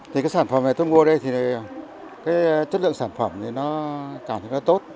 thì cái sản phẩm này tôi mua đây thì chất lượng sản phẩm thì nó cảm thấy nó tốt